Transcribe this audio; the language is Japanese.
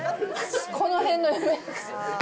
この辺の夢。